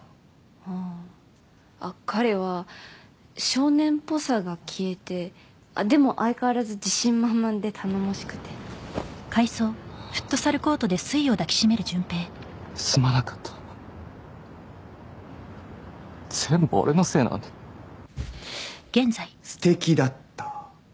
ああー彼は少年っぽさが消えてでも相変わらず自信満々で頼もしくてすまなかった全部俺のせいなのにすてきだった？